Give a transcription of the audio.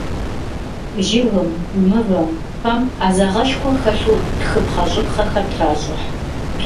Жыгым, мывэм, фэм Ӏэзагъэшхуэ хэлъу тхыпхъэщӀыпхъэхэр тращӀыхь.